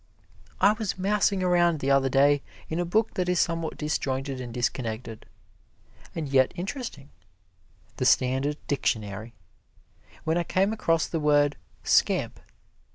I was mousing around the other day in a book that is somewhat disjointed and disconnected, and yet interesting "The Standard Dictionary" when I came across the word "scamp."